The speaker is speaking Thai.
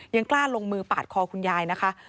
ยังกล้าลงมือปาดคอคุณยายนะคะ